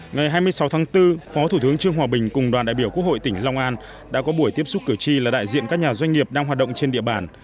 ngày hai mươi sáu tháng bốn phó thủ tướng trương hòa bình cùng đoàn đại biểu quốc hội tỉnh long an đã có buổi tiếp xúc cử tri là đại diện các nhà doanh nghiệp đang hoạt động trên địa bàn